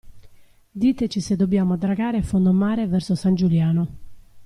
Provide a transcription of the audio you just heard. Diteci se dobbiamo dragare fondo mare verso San Giuliano.